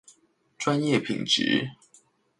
專業品質